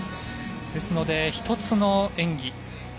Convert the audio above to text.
ですので、１つの演技